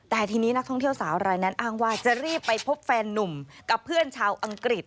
แต่ทีนี้นักท่องเที่ยวสาวรายนั้นอ้างว่าจะรีบไปพบแฟนนุ่มกับเพื่อนชาวอังกฤษ